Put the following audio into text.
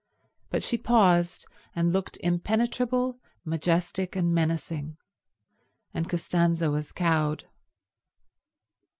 But she paused and looked impenetrable, majestic and menacing, and Costanza was cowed.